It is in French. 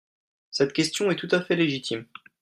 Cette question est tout à fait légitime.